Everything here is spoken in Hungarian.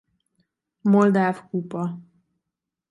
Moldáv kupa